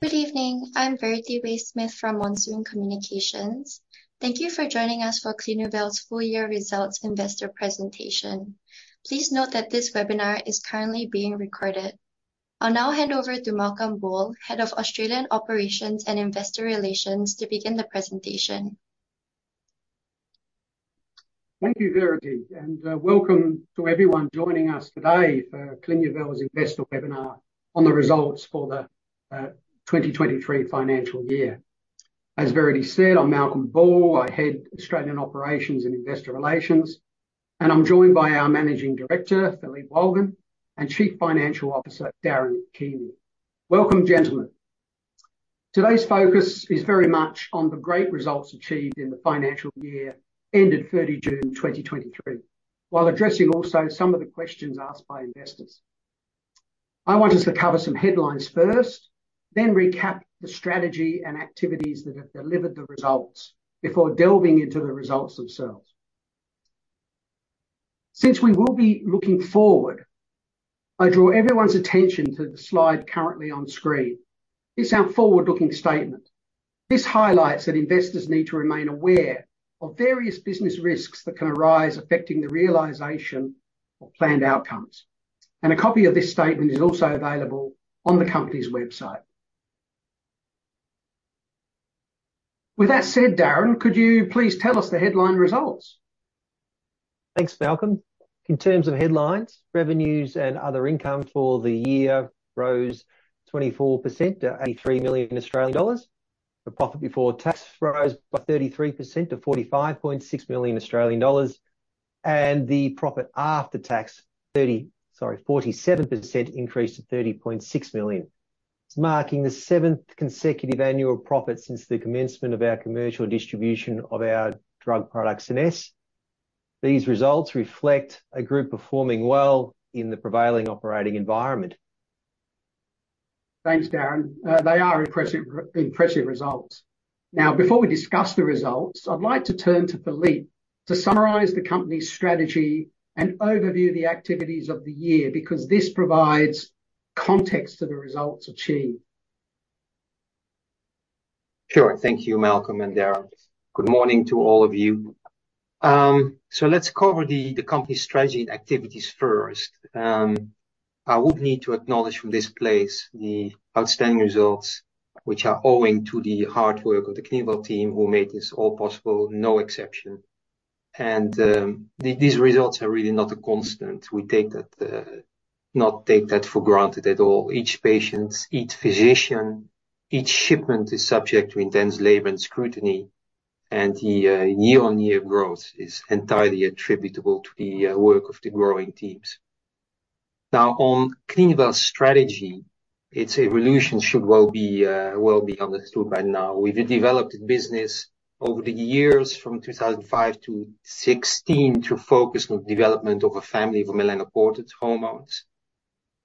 Good evening. I'm Verity Wai Smith from Monsoon Communications. Thank you for joining us for Clinuvel's full year results investor presentation. Please note that this webinar is currently being recorded. I'll now hand over to Malcolm Bull, Head of Australian Operations and Investor Relations, to begin the presentation. Thank you, Verity, and, welcome to everyone joining us today for Clinuvel's investor webinar on the results for the 2023 financial year. As Verity said, I'm Malcolm Bull. I head Australian Operations and Investor Relations, and I'm joined by our Managing Director, Philippe Wolgen, and Chief Financial Officer, Darren Keamy. Welcome, gentlemen. Today's focus is very much on the great results achieved in the financial year, ended 30 June 2023, while addressing also some of the questions asked by investors. I want us to cover some headlines first, then recap the strategy and activities that have delivered the results before delving into the results themselves. Since we will be looking forward, I draw everyone's attention to the slide currently on screen. It's our forward-looking statement. This highlights that investors need to remain aware of various business risks that can arise, affecting the realization of planned outcomes, and a copy of this statement is also available on the company's website. With that said, Darren, could you please tell us the headline results? Thanks, Malcolm. In terms of headlines, revenues and other income for the year rose 24% to 83 million Australian dollars. The profit before tax rose by 33% to 45.6 million Australian dollars, and the profit after tax 47% increased to 30.6 million, marking the seventh consecutive annual profit since the commencement of our commercial distribution of our drug product, SCENESSE. These results reflect a group performing well in the prevailing operating environment. Thanks, Darren. They are impressive, impressive results. Now, before we discuss the results, I'd like to turn to Philippe to summarize the company's strategy and overview the activities of the year, because this provides context to the results achieved. Sure. Thank you, Malcolm and Darren. Good morning to all of you. So let's cover the company's strategy and activities first. I would need to acknowledge from this place the outstanding results, which are owing to the hard work of the Clinuvel team, who made this all possible, no exception. These results are really not a constant. We take that, not take that for granted at all. Each patient, each physician, each shipment is subject to intense labor and scrutiny, and the year-on-year growth is entirely attributable to the work of the growing teams. Now, on Clinuvel's strategy, its evolution should well be, well be understood by now. We've developed the business over the years from 2005 to 2016 to focus on development of a family of melanocortin hormones,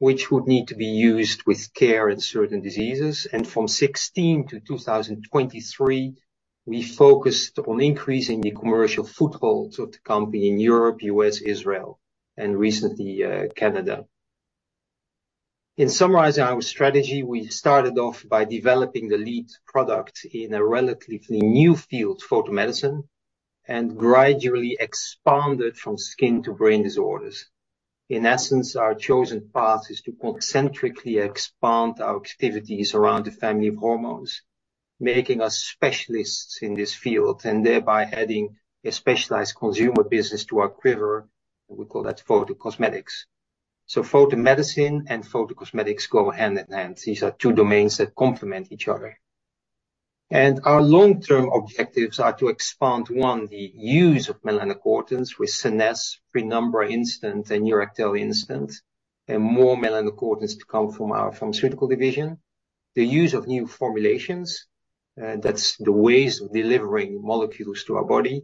which would need to be used with care in certain diseases, and from 2016 to 2023, we focused on increasing the commercial footholds of the company in Europe, U.S., Israel, and recently, Canada. In summarizing our strategy, we started off by developing the lead product in a relatively new field, photomedicine, and gradually expanded from skin to brain disorders. In essence, our chosen path is to concentrically expand our activities around the family of hormones, making us specialists in this field, and thereby adding a specialized consumer business to our quiver. We call that PhotoCosmetics. So photomedicine and PhotoCosmetics go hand in hand. These are two domains that complement each other. And our long-term objectives are to expand, one, the use of melanocortins with SCENESSE, PRÉNUMBRA Instant, and NEURACTHEL Instant, and more melanocortins to come from our pharmaceutical division. The use of new formulations, that's the ways of delivering molecules to our body.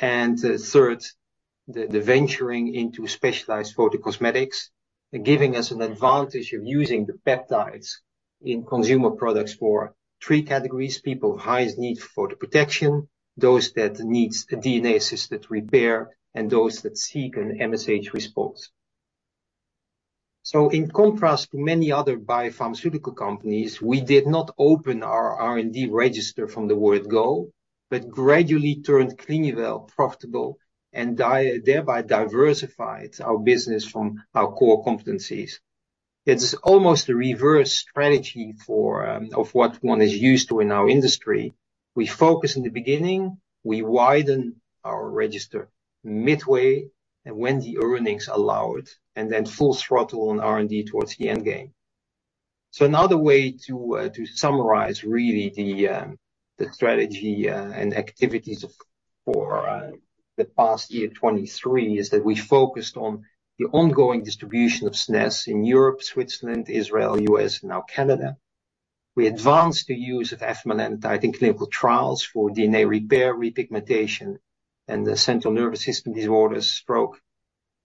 And third, the venturing into specialized PhotoCosmetics, giving us an advantage of using the peptides in consumer products for three categories: people with highest need for photoprotection, those that needs a DNA-assisted repair, and those that seek an MSH response. So in contrast to many other biopharmaceutical companies, we did not open our R&D register from the word go, but gradually turned Clinuvel profitable and thereby diversified our business from our core competencies. It's almost a reverse strategy for of what one is used to in our industry. We focus in the beginning, we widen our register midway and when the earnings allow it, and then full throttle on R&D towards the end game. So another way to summarize really the strategy and activities for the past year, 2023, is that we focused on the ongoing distribution of SCENESSE in Europe, Switzerland, Israel, U.S., and now Canada. We advanced the use of afamelanotide in clinical trials for DNA repair, repigmentation, and the central nervous system disorders, stroke.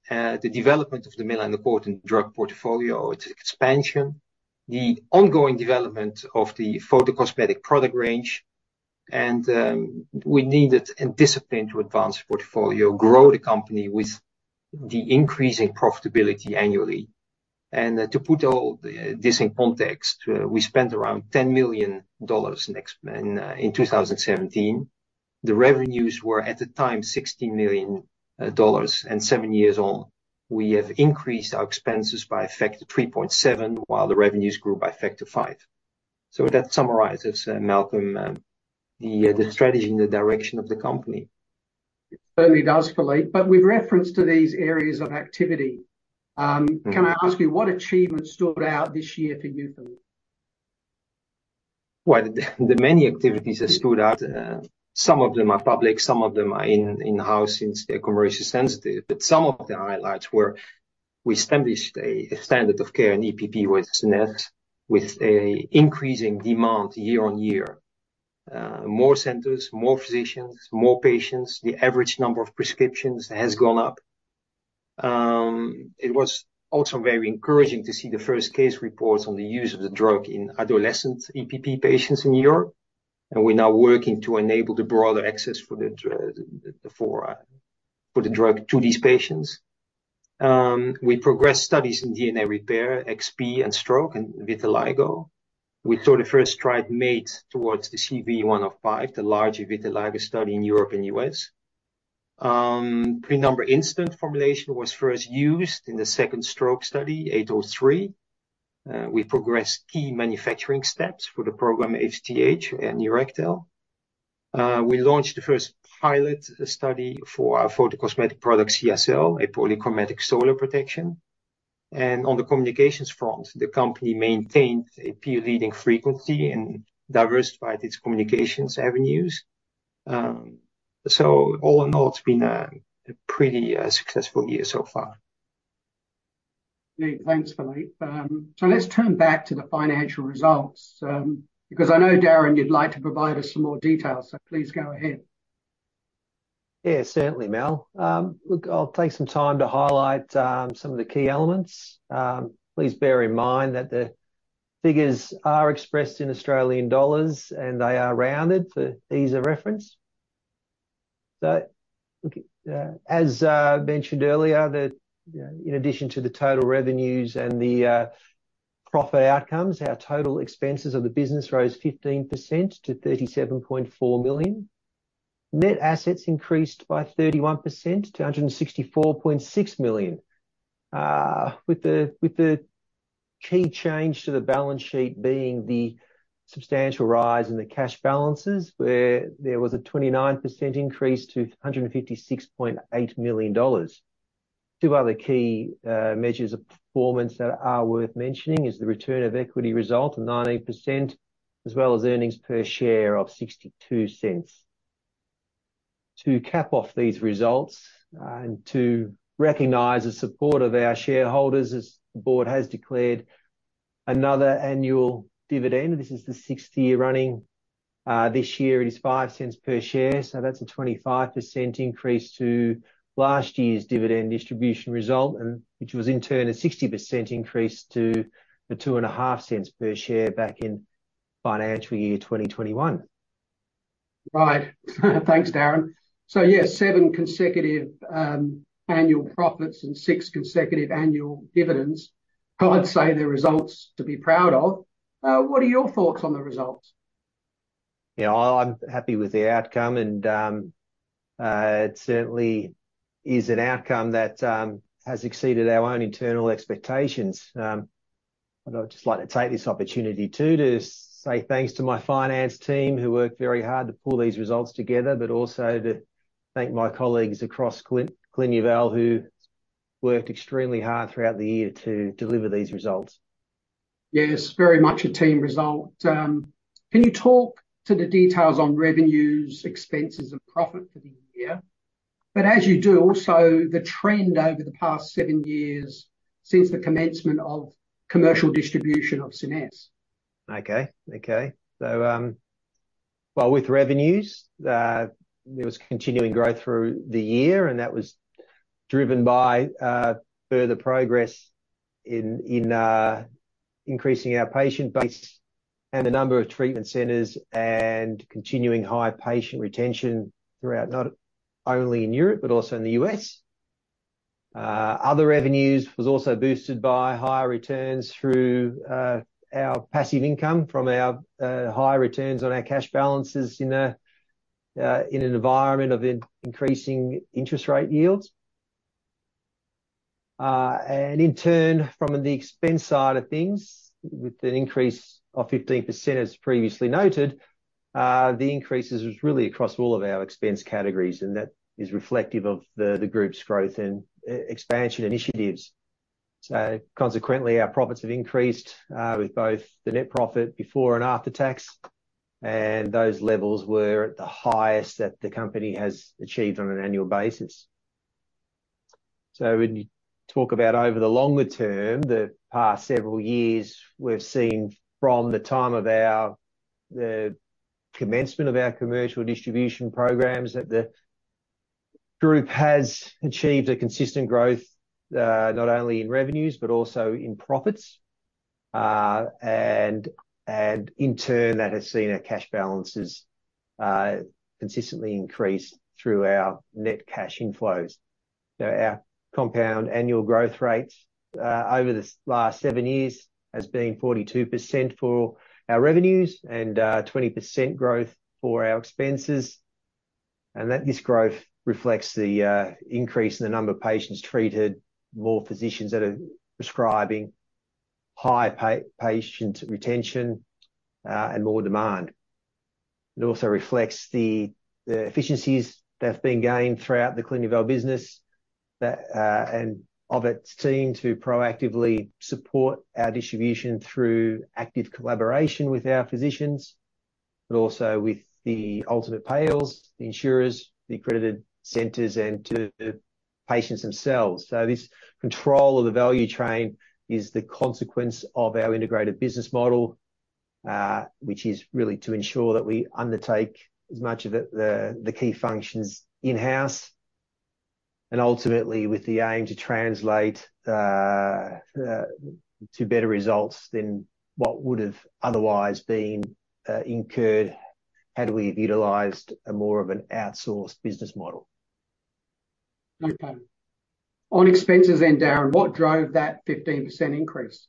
The development of the melanocortin drug portfolio, its expansion, the ongoing development of the PhotoCosmetic product range... and we needed a discipline to advance the portfolio, grow the company with the increasing profitability annually. And to put all this in context, we spent around AUD 10 million in 2017. The revenues were, at the time, AUD 16 million, and seven years on, we have increased our expenses by a factor of 3.7, while the revenues grew by a factor of five. So that summarizes, Malcolm, the strategy and the direction of the company. It certainly does, Philippe. But with reference to these areas of activity, Mm-hmm. Can I ask you, what achievement stood out this year for you, Philippe? Well, the many activities that stood out, some of them are public, some of them are in-house, since they're commercially sensitive. But some of the highlights were, we established a standard of care in EPP with SCENESSE, with a increasing demand year on year. More centers, more physicians, more patients, the average number of prescriptions has gone up. It was also very encouraging to see the first case reports on the use of the drug in adolescent EPP patients in Europe, and we're now working to enable the broader access for the drug to these patients. We progressed studies in DNA repair, XP and stroke, and vitiligo. We saw the first stride made towards the CUV105, the larger vitiligo study in Europe and U.S. PRÉNUMBRA Instant formulation was first used in the second stroke study, 803. We progressed key manufacturing steps for the program ACTH and NEURACTHEL. We launched the first pilot study for our PhotoCosmetic product, CYACÊLLE, a polychromatic solar protection. On the communications front, the company maintained a peer-leading frequency and diversified its communications avenues. So all in all, it's been a pretty successful year so far. Great. Thanks, Philippe. So let's turn back to the financial results, because I know, Darren, you'd like to provide us some more details, so please go ahead. Yeah, certainly, Mal. Look, I'll take some time to highlight some of the key elements. Please bear in mind that the figures are expressed in Australian dollars, and they are rounded for ease of reference. So, look, as mentioned earlier, in addition to the total revenues and the profit outcomes, our total expenses of the business rose 15% to 37.4 million. Net assets increased by 31% to 164.6 million. With the key change to the balance sheet being the substantial rise in the cash balances, where there was a 29% increase to 156.8 million dollars. Two other key measures of performance that are worth mentioning is the return of equity result of 19%, as well as earnings per share of 0.62. To cap off these results, and to recognize the support of our shareholders, as the board has declared another annual dividend, this is the 6th year running. This year it is 0.05 per share, so that's a 25% increase to last year's dividend distribution result, and which was in turn a 60% increase to the 0.025 per share back in financial year 2021. Right. Thanks, Darren. So yes, seven consecutive annual profits and six consecutive annual dividends. I'd say they're results to be proud of. What are your thoughts on the results? Yeah, well, I'm happy with the outcome, and it certainly is an outcome that has exceeded our own internal expectations. I'd just like to take this opportunity, too, to say thanks to my finance team, who worked very hard to pull these results together, but also to thank my colleagues across Clinuvel, who worked extremely hard throughout the year to deliver these results. Yes, very much a team result. Can you talk to the details on revenues, expenses and profit for the year? But as you do, also the trend over the past seven years since the commencement of commercial distribution of SCENESSE. Okay. Okay. So, well, with revenues, there was continuing growth through the year, and that was driven by further progress in increasing our patient base and the number of treatment centers and continuing high patient retention throughout, not only in Europe, but also in the U.S. Other revenues was also boosted by higher returns through our passive income from our high returns on our cash balances in an environment of increasing interest rate yields. And in turn, from the expense side of things, with an increase of 15%, as previously noted, the increases was really across all of our expense categories, and that is reflective of the group's growth and expansion initiatives. So consequently, our profits have increased with both the net profit before and after tax, and those levels were at the highest that the company has achieved on an annual basis. So when you talk about over the longer term, the past several years, we've seen from the time of our, the commencement of our commercial distribution programs, that the group has achieved a consistent growth, not only in revenues, but also in profits. And in turn, that has seen our cash balances consistently increase through our net cash inflows. Now, our compound annual growth rates over the last seven years has been 42% for our revenues and 20% growth for our expenses. And that this growth reflects the increase in the number of patients treated, more physicians that are prescribing, high patient retention, and more demand. It also reflects the efficiencies that have been gained throughout the Clinuvel business, that and of its team to proactively support our distribution through active collaboration with our physicians, but also with the ultimate payors, the insurers, the accredited centers, and to patients themselves. So this control of the value chain is the consequence of our integrated business model, which is really to ensure that we undertake as much of the key functions in-house, and ultimately with the aim to translate to better results than what would have otherwise been incurred had we utilized more of an outsourced business model. Okay. On expenses then, Darren, what drove that 15% increase?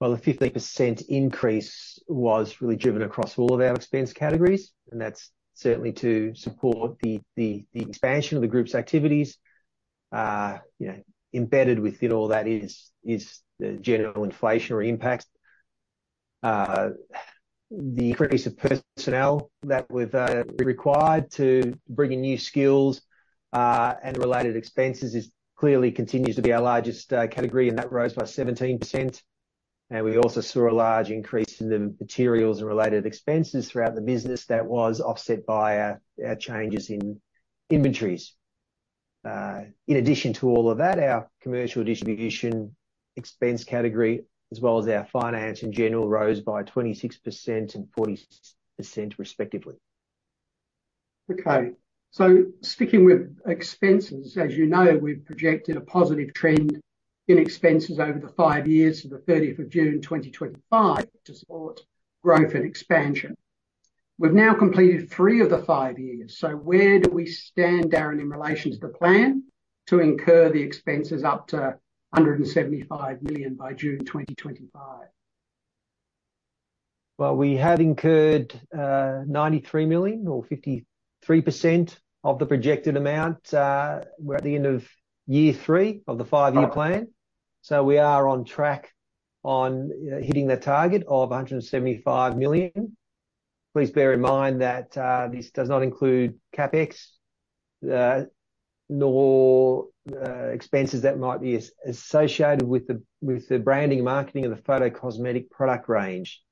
Well, the 15% increase was really driven across all of our expense categories, and that's certainly to support the expansion of the group's activities. You know, embedded within all that is the general inflationary impacts. The increase of personnel that we've required to bring in new skills and related expenses is clearly continues to be our largest category, and that rose by 17%. And we also saw a large increase in the materials and related expenses throughout the business that was offset by our changes in inventories. In addition to all of that, our commercial distribution expense category, as well as our finance in general, rose by 26% and 40%, respectively. Okay, so sticking with expenses, as you know, we've projected a positive trend in expenses over the five years to the 30th of June 2025, to support growth and expansion. We've now completed three of the five years, so where do we stand, Darren, in relation to the plan to incur the expenses up to 175 million by June 2025? Well, we have incurred 93 million, or 53% of the projected amount. We're at the end of year three of the five-year plan, so we are on track on hitting the target of 175 million. Please bear in mind that this does not include CapEx, nor expenses that might be associated with the branding and marketing of the PhotoCosmetic product range.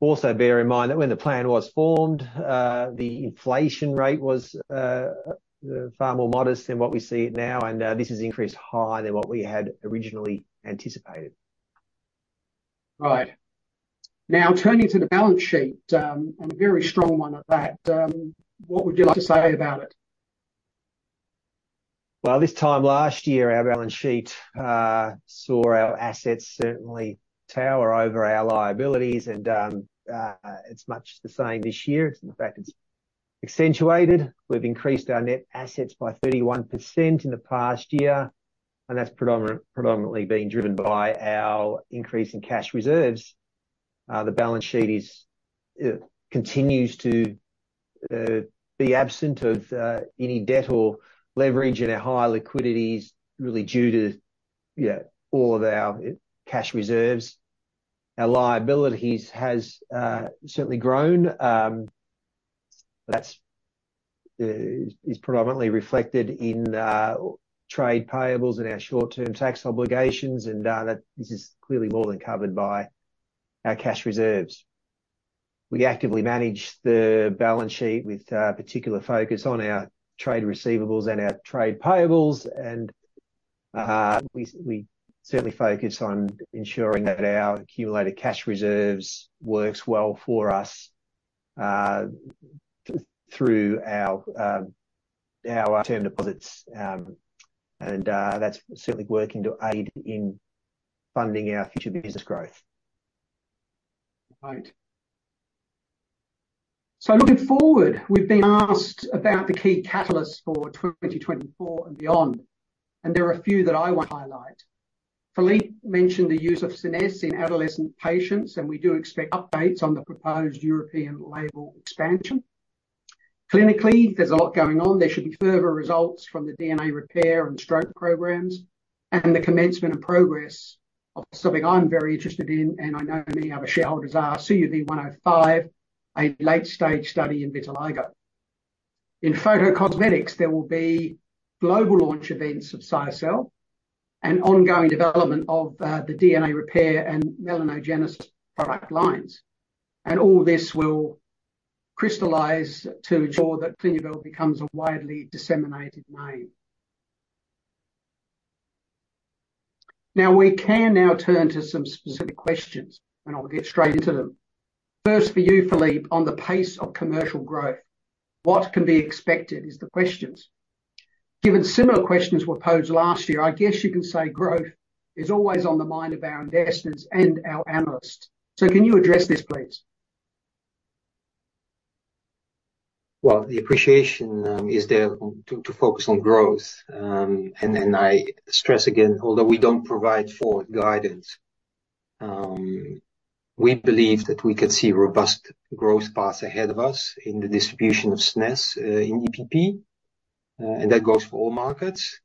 Also, bear in mind that when the plan was formed, the inflation rate was far more modest than what we see it now, and this has increased higher than what we had originally anticipated. Right. Now, turning to the balance sheet, and a very strong one at that, what would you like to say about it? Well, this time last year, our balance sheet saw our assets certainly tower over our liabilities, and it's much the same this year. In fact, it's accentuated. We've increased our net assets by 31% in the past year, and that's predominantly been driven by our increase in cash reserves. The balance sheet continues to be absent of any debt or leverage, and our high liquidity is really due to, you know, all of our cash reserves. Our liabilities has certainly grown. That's is predominantly reflected in trade payables and our short-term tax obligations, and that this is clearly more than covered by our cash reserves. We actively manage the balance sheet with particular focus on our trade receivables and our trade payables, and we certainly focus on ensuring that our accumulated cash reserves works well for us through our term deposits. And that's certainly working to aid in funding our future business growth. Right. So looking forward, we've been asked about the key catalysts for 2024 and beyond, and there are a few that I want to highlight. Philippe mentioned the use of SCENESSE in adolescent patients, and we do expect updates on the proposed European label expansion. Clinically, there's a lot going on. There should be further results from the DNA repair and stroke programs, and the commencement and progress of something I'm very interested in, and I know many other shareholders are, CUV105, a late-stage study in vitiligo. In PhotoCosmetics, there will be global launch events of CYACÊLLE and ongoing development of the DNA repair and melanogenesis product lines. And all this will crystallize to ensure that Clinuvel becomes a widely disseminated name.... Now, we can now turn to some specific questions, and I'll get straight into them. First, for you, Philippe, on the pace of commercial growth, what can be expected? It's the questions. Given similar questions were posed last year, I guess you can say growth is always on the mind of our investors and our analysts. So can you address this, please? Well, the appreciation is there to, to focus on growth. And then I stress again, although we don't provide forward guidance, we believe that we could see robust growth paths ahead of us in the distribution of SCENESSE®, in EPP, and that goes for all markets.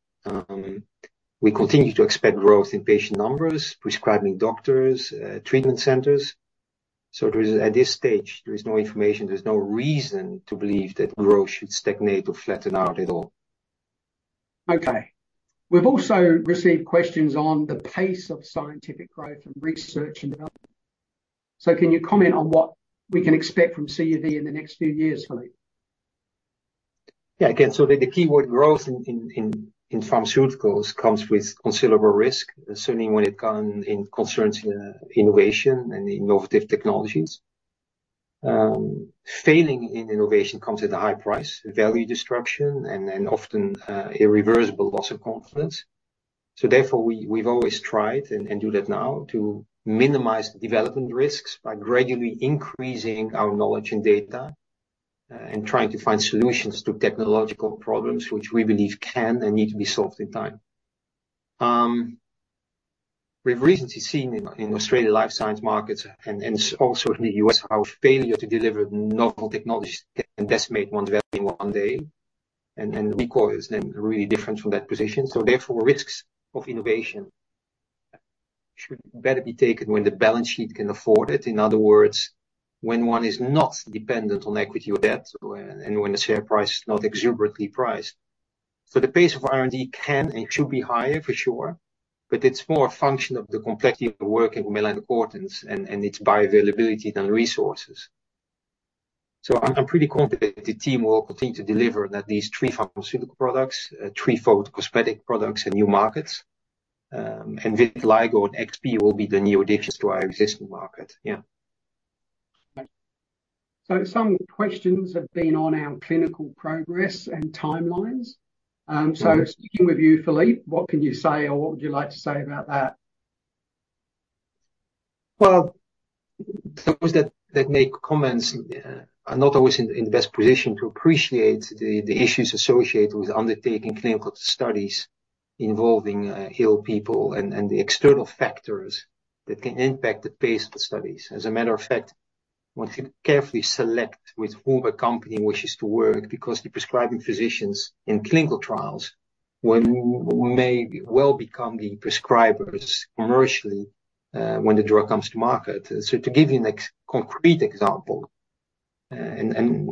We continue to expect growth in patient numbers, prescribing doctors, treatment centers. So there is, at this stage, there is no information, there's no reason to believe that growth should stagnate or flatten out at all. Okay. We've also received questions on the pace of scientific growth and research and development. So can you comment on what we can expect from CUV in the next few years, Philippe? Yeah, again, so the keyword growth in pharmaceuticals comes with considerable risk, especially when it comes to concerns, innovation and innovative technologies. Failing in innovation comes at a high price, value disruption, and then often irreversible loss of confidence. So therefore, we've always tried, and do that now, to minimize development risks by gradually increasing our knowledge and data, and trying to find solutions to technological problems, which we believe can and need to be solved in time. We've recently seen in Australian life science markets and also in the U.S., how failure to deliver novel technologies can decimate one's value one day, and recover is then really different from that position. So therefore, risks of innovation should better be taken when the balance sheet can afford it. In other words, when one is not dependent on equity or debt, and when the share price is not exuberantly priced. So the pace of R&D can and should be higher, for sure, but it's more a function of the complexity of working with melanocortins and its bioavailability than resources. So I'm pretty confident the team will continue to deliver that these three pharmaceutical products, three PhotoCosmetic products and new markets, and vitiligo and XP will be the new additions to our existing market. Yeah. Some questions have been on our clinical progress and timelines. Speaking with you, Philippe, what can you say or what would you like to say about that? Well, those that make comments are not always in the best position to appreciate the issues associated with undertaking clinical studies involving ill people and the external factors that can impact the pace of the studies. As a matter of fact, one should carefully select with whom a company wishes to work because the prescribing physicians in clinical trials may well become the prescribers commercially when the drug comes to market. So to give you a concrete example, and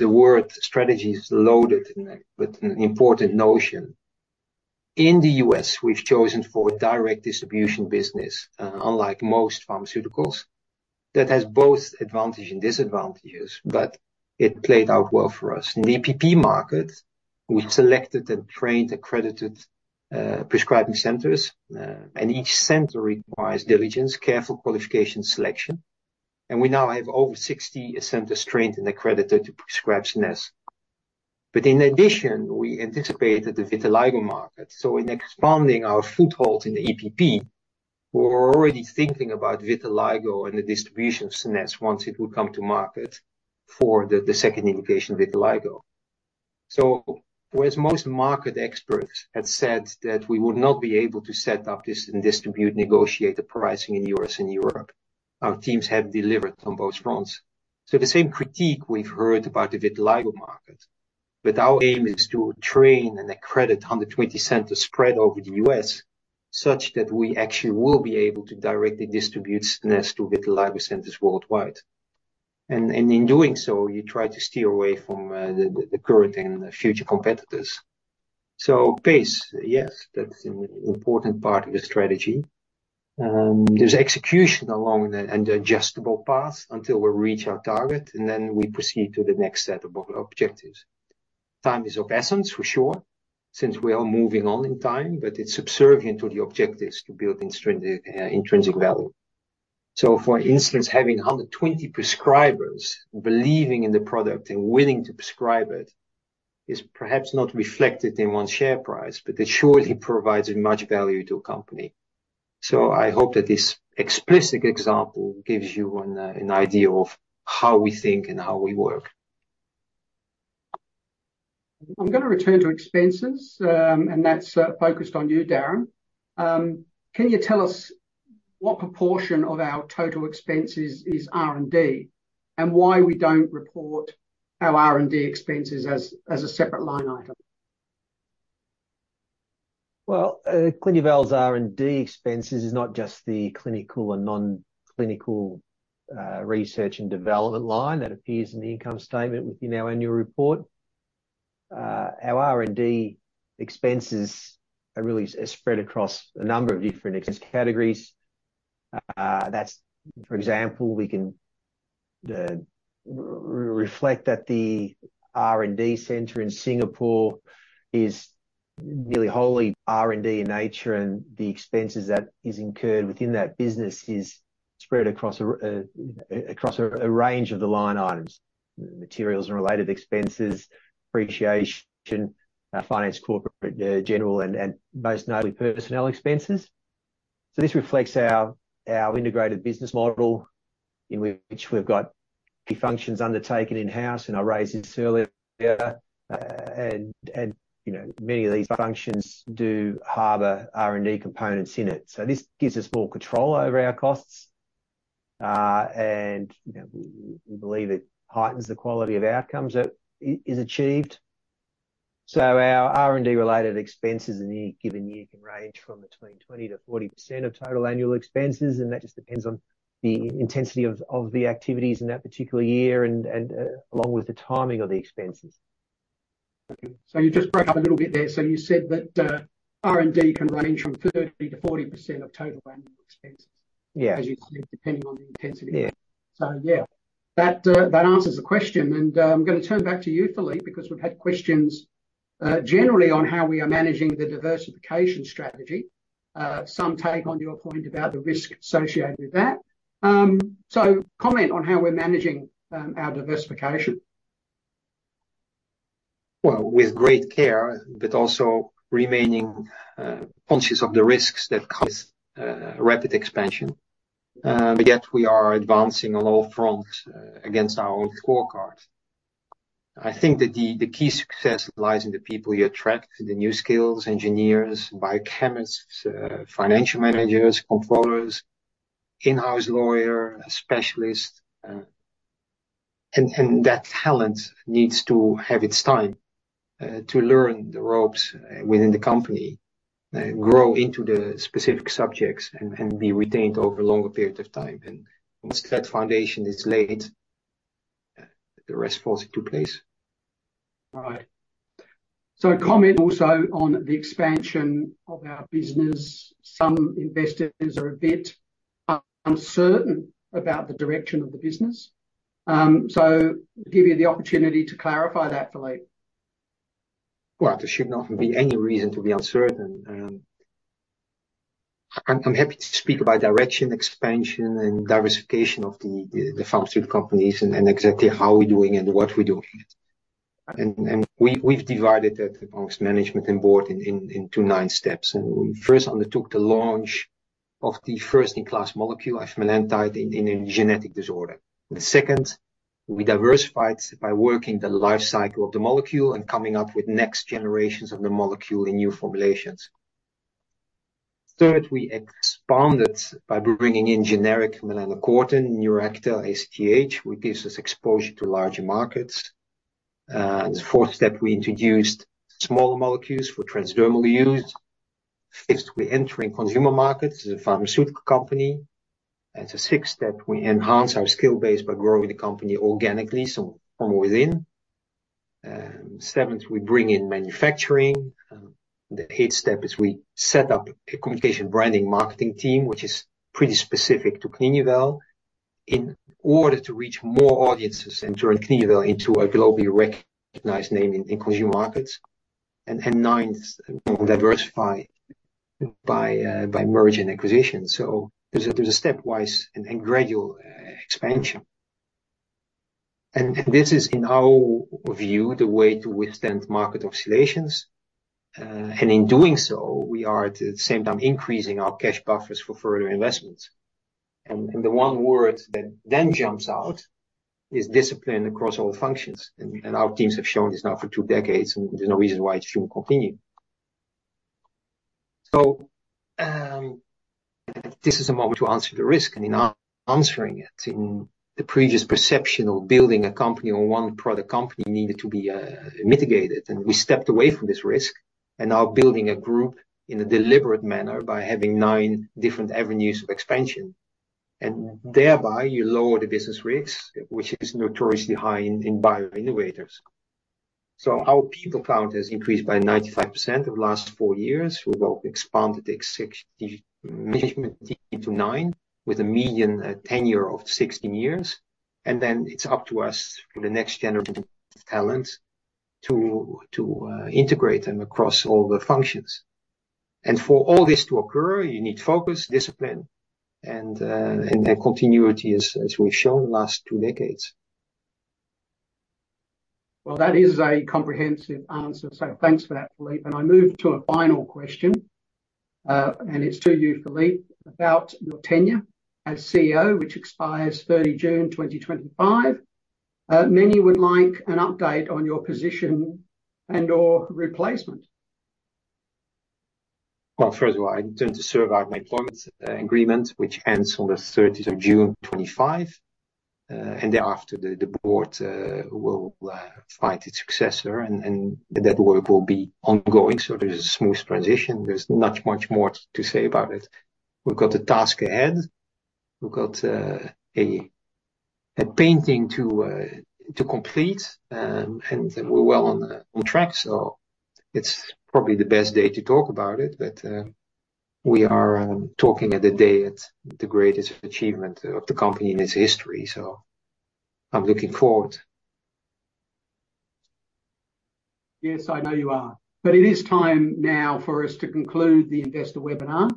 the word strategy is loaded with an important notion. In the U.S., we've chosen for direct distribution business unlike most pharmaceuticals. That has both advantage and disadvantages, but it played out well for us. In the EPP market, we selected and trained accredited, prescribing centers, and each center requires diligence, careful qualification, selection, and we now have over 60 centers trained and accredited to prescribe SCENESSE. But in addition, we anticipated the vitiligo market. So in expanding our foothold in the EPP, we were already thinking about vitiligo and the distribution of SCENESSE once it would come to market for the, the second indication, vitiligo. So whereas most market experts had said that we would not be able to set up this and distribute, negotiate the pricing in the U.S. and Europe, our teams have delivered on both fronts. So the same critique we've heard about the vitiligo market, but our aim is to train and accredit 120 centers spread over the U.S., such that we actually will be able to directly distribute SCENESSE to vitiligo centers worldwide. In doing so, you try to steer away from the current and future competitors. So pace, yes, that's an important part of the strategy. There's execution along an adjustable path until we reach our target, and then we proceed to the next set of objectives. Time is of essence, for sure, since we are moving on in time, but it's subservient to the objectives to building strength, intrinsic value. So for instance, having 120 prescribers believing in the product and willing to prescribe it is perhaps not reflected in one's share price, but it surely provides much value to a company. So I hope that this explicit example gives you an idea of how we think and how we work. I'm gonna return to expenses, and that's focused on you, Darren. Can you tell us what proportion of our total expenses is R&D, and why we don't report our R&D expenses as a separate line item? Well, Clinuvel's R&D expenses is not just the clinical and non-clinical, research and development line that appears in the income statement within our annual report. Our R&D expenses are really spread across a number of different expense categories. That's, for example, we can reflect that the R&D center in Singapore is nearly wholly R&D in nature, and the expenses that is incurred within that business is spread across a range of the line items: materials and related expenses, depreciation, finance, corporate, general, and most notably, personnel expenses. So this reflects our integrated business model, in which we've got key functions undertaken in-house, and I raised this earlier. And you know, many of these functions do harbor R&D components in it. So this gives us more control over our costs, and, you know, we believe it heightens the quality of outcomes that is achieved. So our R&D-related expenses in any given year can range from between 20%-40% of total annual expenses, and that just depends on the intensity of the activities in that particular year and along with the timing of the expenses. Okay. So you just broke up a little bit there. So you said that, R&D can range from 30%-40% of total annual expenses? Yeah. As you said, depending on the intensity. Yeah. So, yeah, that, that answers the question. And, I'm gonna turn back to you, Philippe, because we've had questions, generally on how we are managing the diversification strategy. Some take on your point about the risk associated with that. So comment on how we're managing our diversification. Well, with great care, but also remaining conscious of the risks that come with rapid expansion. Yet we are advancing on all fronts against our scorecard. I think that the key success lies in the people you attract, the new skills, engineers, biochemists, financial managers, controllers, in-house lawyer, specialists, and that talent needs to have its time to learn the ropes within the company, grow into the specific subjects, and be retained over a longer period of time. And once that foundation is laid, the rest falls into place. All right. So comment also on the expansion of our business. Some investors are a bit uncertain about the direction of the business. So give you the opportunity to clarify that, Philippe. Well, there should not be any reason to be uncertain. I'm happy to speak about direction, expansion, and diversification of the pharmaceutical companies and exactly how we're doing and what we're doing. And we've divided that among management and board into nine steps. And we first undertook the launch of the first-in-class molecule, afamelanotide, in a genetic disorder. The second, we diversified by working the life cycle of the molecule and coming up with next generations of the molecule in new formulations. Third, we expanded by bringing in generic melanocortin, NEURACTHEL, ACTH, which gives us exposure to larger markets. The fourth step, we introduced smaller molecules for transdermal use. Fifth, we enter in consumer markets as a pharmaceutical company. As a sixth step, we enhance our skill base by growing the company organically, so from within. Seventh, we bring in manufacturing. The eighth step is we set up a communication, branding, marketing team, which is pretty specific to Clinuvel, in order to reach more audiences and turn Clinuvel into a globally recognized name in consumer markets. And ninth, we diversify by by merge and acquisition. So there's a stepwise and gradual expansion. And this is, in our view, the way to withstand market oscillations, and in doing so, we are at the same time increasing our cash buffers for further investments. And the one word that then jumps out is discipline across all functions, and our teams have shown this now for two decades, and there's no reason why it shouldn't continue. So, this is a moment to answer the risk, and in answering it, in the previous perception of building a company on one product company needed to be mitigated. We stepped away from this risk and are building a group in a deliberate manner by having nine different avenues of expansion, and thereby you lower the business risks, which is notoriously high in bioinnovators. So our people count has increased by 95% over the last four years. We've expanded the executive management team to nine, with a median tenure of 16 years, and then it's up to us for the next generation of talent to integrate them across all the functions. And for all this to occur, you need focus, discipline, and continuity, as we've shown the last two decades. Well, that is a comprehensive answer, so thanks for that, Philippe. And I move to a final question, and it's to you, Philippe, about your tenure as CEO, which expires 30 June 2025. Many would like an update on your position and/or replacement. Well, first of all, I intend to serve out my employment agreement, which ends on the 30th of June 2025. And thereafter, the board will find its successor, and that work will be ongoing, so there's a smooth transition. There's not much more to say about it. We've got a task ahead. We've got a painting to complete, and we're well on track, so it's probably the best day to talk about it. But we are talking at the day at the greatest achievement of the company in its history, so I'm looking forward. Yes, I know you are. But it is time now for us to conclude the investor webinar.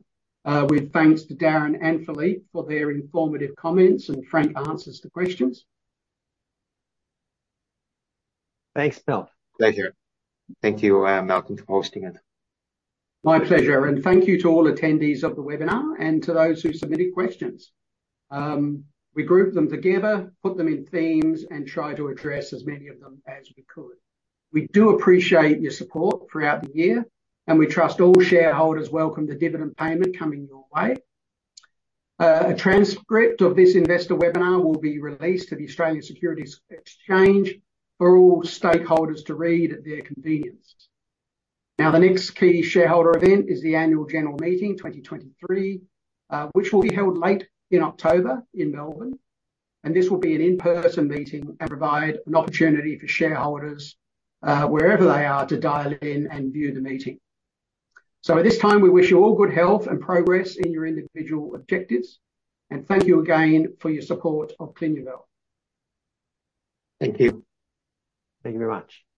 With thanks to Darren and Philippe for their informative comments and frank answers to questions. Thanks, Phil. Pleasure. Thank you, Malcolm, for hosting it. My pleasure, and thank you to all attendees of the webinar and to those who submitted questions. We grouped them together, put them in themes, and tried to address as many of them as we could. We do appreciate your support throughout the year, and we trust all shareholders welcome the dividend payment coming your way. A transcript of this investor webinar will be released to the Australian Securities Exchange for all stakeholders to read at their convenience. Now, the next key shareholder event is the Annual General Meeting 2023, which will be held late in October in Melbourne, and this will be an in-person meeting and provide an opportunity for shareholders, wherever they are, to dial in and view the meeting. So at this time, we wish you all good health and progress in your individual objectives, and thank you again for your support of Clinuvel. Thank you. Thank you very much.